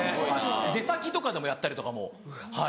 出先とかでもやったりとかもはい。